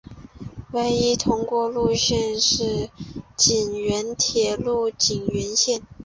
唯一通过的路线是井原铁道井原线。